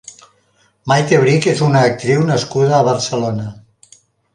Maite Brik és una actriu nascuda a Barcelona.